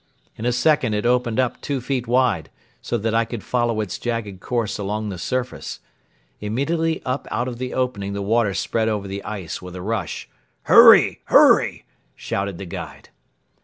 In a second it opened up two feet wide, so that I could follow its jagged course along the surface. Immediately up out of the opening the water spread over the ice with a rush. "Hurry, hurry!" shouted the guide.